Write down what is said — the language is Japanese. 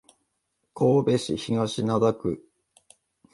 神戸市東灘区